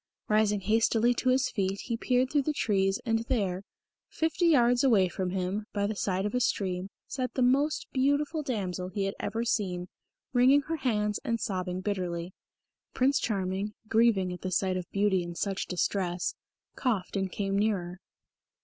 Rising hastily to his feet he peered through the trees, and there, fifty yards away from him, by the side of a stream sat the most beautiful damsel he had ever seen, wringing her hands and sobbing bitterly. Prince Charming, grieving at the sight of beauty in such distress, coughed and came nearer.